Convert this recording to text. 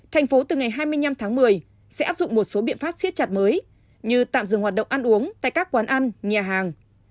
thành phố từ ngày hai mươi năm tháng một mươi sẽ áp dụng một số biện pháp siết chặt mới như tạm dừng hoạt động ăn uống tại các quán ăn nhà hàng